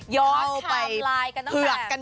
ยอดทำลายกันตั้งแต่